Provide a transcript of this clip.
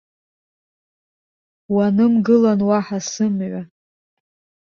Уанымгылан уаҳа сымҩа.